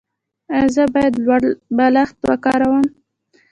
ایا زه باید لوړ بالښت وکاروم؟